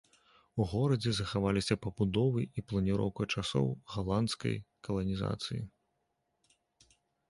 У горадзе захаваліся пабудовы і планіроўка часоў галандскай каланізацыі.